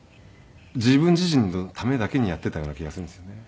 自分自身のためだけにやっていたような気がするんですよね。